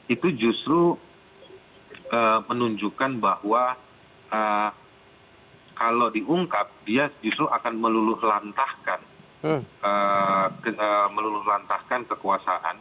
itu justru menunjukkan bahwa kalau diungkap dia justru akan meluluhlantahkan kekuasaan